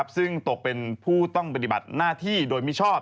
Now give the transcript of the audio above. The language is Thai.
ซึ่งตกเป็นผู้ต้องปฏิบัติหน้าที่โดยมิชอบ